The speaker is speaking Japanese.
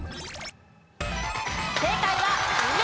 正解は梅。